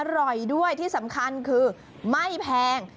อร่อยด้วยที่สำคัญคือไม่แพง